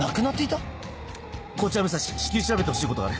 こちら武蔵至急調べてほしいことがある。